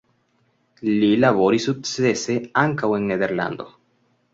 Li laboris sukcese ankaŭ en Nederlando.